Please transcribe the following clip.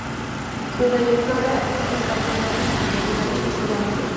Su trayectoria en campeonatos internacionales ha sido amplia.